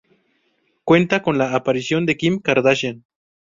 Cuenta con la aparición de Kim Kardashian.